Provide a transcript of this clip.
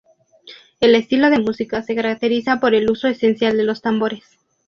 El estilo de música se caracteriza por el uso esencial de los tambores.